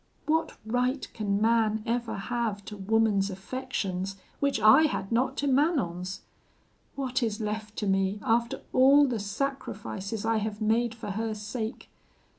What right can man ever have to woman's affections which I had not to Manon's? What is left to me, after all the sacrifices I have made for her sake?